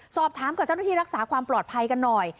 สอบถามกับเจ้าหน้าที่รักษาความปลอดภัยกันหน่อย